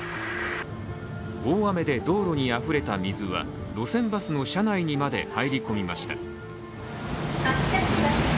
大雨で道路にあふれた水は路線バスの車内にまで入り込みました。